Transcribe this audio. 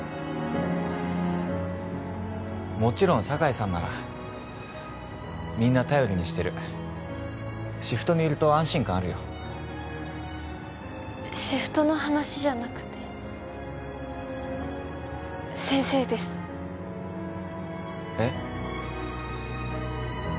もちろん酒井さんならみんな頼りにしてるシフトにいると安心感あるよシフトの話じゃなくて先生ですえっ？